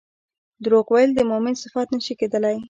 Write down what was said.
دروغ ويل د مؤمن صفت نه شي کيدلی